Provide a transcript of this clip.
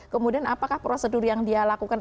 kemudian apakah prosedur yang dia lakukan